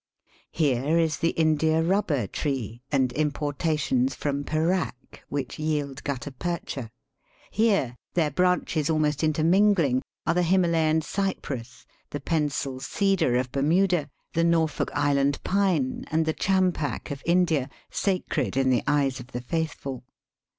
Here is the india rubber tree and importations from Perack which yield gutta percha. Here, their branches almost intermingling, are the Hima layan cypress, the pencil cedar of Bermuda, the Norfolk Island pine, and the champak of Digitized by VjOOQIC THE ISLE OF SPICY BREEZES. 169 India, sacred in the eyes of the faithfal.